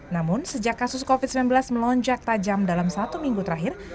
namun sejak kasus covid sembilan belas melonjak tajam dalam satu minggu terakhir